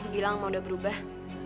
gilang mah udah berubah